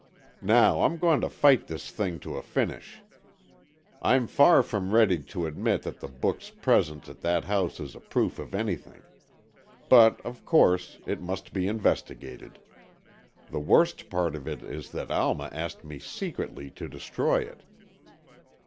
"Now I'm going to fight this thing to a finish. I'm far from ready to admit that the book's presence at that house is a proof of anything; but of course, it must be investigated. The worst part of it is that Alma asked me secretly to destroy it."